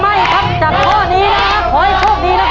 ๑แสนบาทจะได้กลับไปหรือไม่ครับจากข้อนี้ครับขอให้โชคดีนะครับ